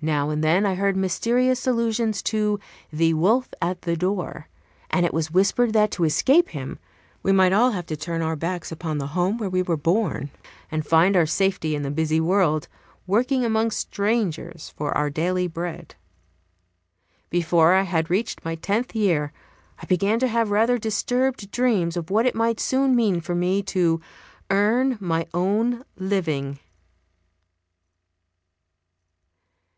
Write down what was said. Now and then I heard mysterious allusions to "the wolf at the door": and it was whispered that, to escape him, we might all have to turn our backs upon the home where we were born, and find our safety in the busy world, working among strangers for our daily bread. Before I had reached my tenth year I began to have rather disturbed dreams of what it might soon mean for me to "earn my own living."